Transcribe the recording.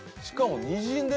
しかも。